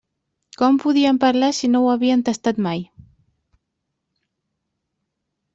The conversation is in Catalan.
Com podien parlar si no ho havien tastat mai?